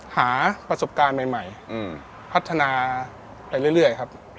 หาประสบการณ์ใหม่พัฒนาไปเรื่อยครับ